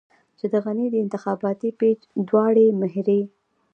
چې د غني د انتخاباتي پېکج دواړې مهرې.